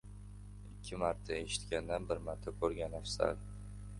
• Ikki marta eshitgandan bir marta ko‘rgan afzal.